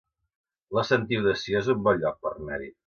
La Sentiu de Sió es un bon lloc per anar-hi